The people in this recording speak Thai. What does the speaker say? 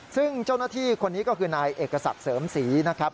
ซึ่งเจ้าหน้าที่คนนี้ก็คือนายเอกศักดิ์เสริมศรีนะครับ